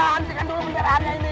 hantikan dulu bentarannya ini